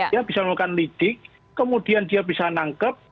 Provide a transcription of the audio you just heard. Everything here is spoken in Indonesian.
dia bisa melakukan lidik kemudian dia bisa nangkep